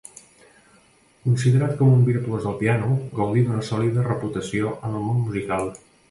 Considerat com un virtuós del piano, gaudí d'una sòlida reputació en el món musical.